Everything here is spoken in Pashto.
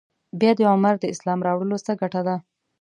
بیا د عمر د اسلام راوړلو څه ګټه ده.